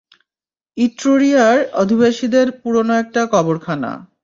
ইট্রুরিআর অধিবাসীদের পুরনো একটা কবরখানা।